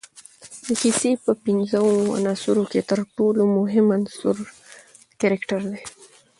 د کیسې په پنځو عناصروکښي ترټولو مهم عناصر کرکټر دئ.